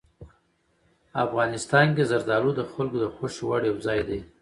افغانستان کې زردالو د خلکو د خوښې وړ یو ځای دی.